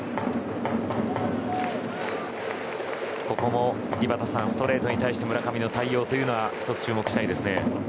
ここも井端さんストレートに対して村上の対応に１つ、注目したいですね。